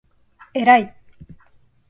えらい